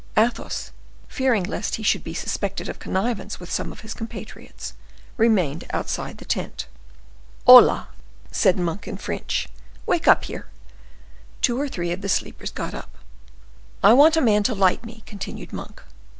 Athos, fearing lest he should be suspected of connivance with some of his compatriots, remained outside the tent. "Hola!" said Monk, in French, "wake up here." Two or three of the sleepers got up. "I want a man to light me," continued Monk.